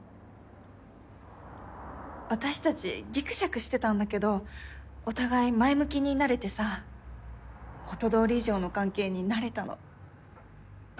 私たちぎくしゃくしてたんだけどお互い前向きになれてさ元通り以上の関係になれたの。